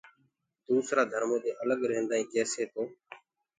دوسرآ ڌرمودي الگ ريهدآئينٚ ڪيسي تو